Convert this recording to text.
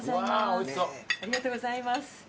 ありがとうございます。